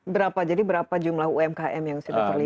berapa jadi berapa jumlah umkm yang sudah terlibat